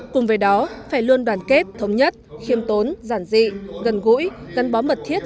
cùng với đó phải luôn đoàn kết thống nhất khiêm tốn giản dị gần gũi gắn bó mật thiết